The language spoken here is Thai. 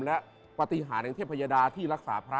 และปฏิหารแห่งเทพยดาที่รักษาพระ